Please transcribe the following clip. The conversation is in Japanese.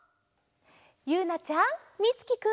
ゆうなちゃんみつきくん。